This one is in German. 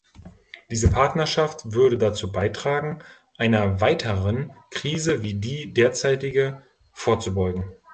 Diese Partnerschaft würde dazu beitragen, einer weiteren Krise wie die derzeitige vorzubeugen.